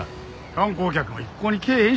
観光客も一向に来えへんし。